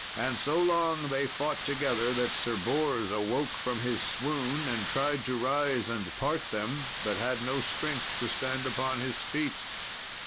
And so long they fought together that Sir Bors awoke from his swoon, and tried to rise and part them, but had no strength to stand upon his feet.